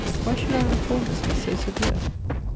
Why should our reformers be so severe?